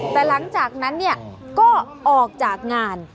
แต่หลังจากนั้นก็ออกจากงาน